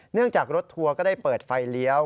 จากรถทัวร์ก็ได้เปิดไฟเลี้ยว